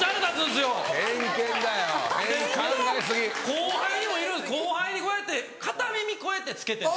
後輩にもいる後輩にこうやって片耳こうやって着けてて。